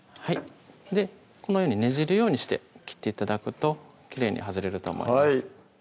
このようにねじるようにして切って頂くときれいに外れると思います